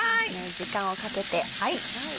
時間をかけて。